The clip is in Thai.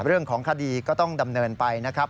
เรื่องของคดีก็ต้องดำเนินไปนะครับ